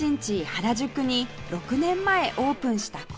原宿に６年前オープンしたこちら